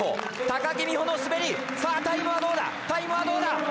高木美帆の滑り、さあ、タイムはどうだ、タイムはどうだ。